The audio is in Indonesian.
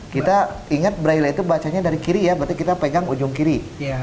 kita ingat braille itu bacanya dari kiri ya berarti kita pegang ujung kiri